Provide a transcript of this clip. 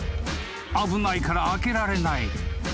［危ないから開けられない］